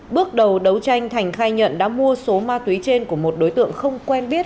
bước đầu đấu tranh thành khai nhận đã mua số ma túy trên của một đối tượng không quen biết